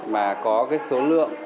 mà có số lượng